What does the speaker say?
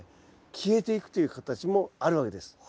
消えていくという形もあるわけです。